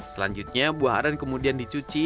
selanjutnya buah aren kemudian dicuci